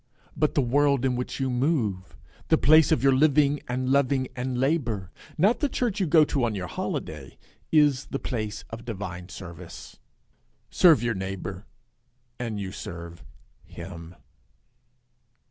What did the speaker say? But the world in which you move, the place of your living and loving and labour, not the church you go to on your holiday, is the place of divine service. Serve your neighbour, and you serve him.